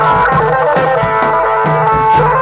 เพื่อรับความรับทราบของคุณ